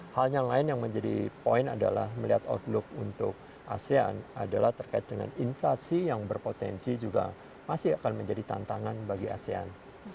hal yang lain yang menjadi poin adalah melihat outlook untuk asean adalah terkait dengan inflasi yang berpotensi juga masih akan menjadi tantangan bagi asean